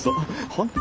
本当